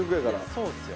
そうですよ。